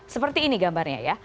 seperti ini gambarnya ya